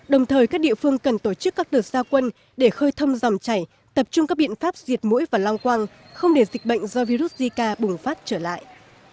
đồng thời các địa phương cần tổ chức các đợt gia quân để khơi thông dòng chảy tập trung các biện pháp diệt mũi và lăng quang không để dịch bệnh do virus zika bùng phát trở lại